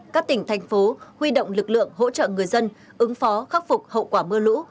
các tỉnh thành phố huy động lực lượng hỗ trợ người dân ứng phó khắc phục hậu quả mưa lũ